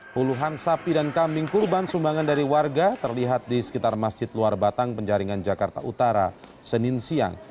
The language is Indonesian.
puluhan sapi dan kambing kurban sumbangan dari warga terlihat di sekitar masjid luar batang penjaringan jakarta utara senin siang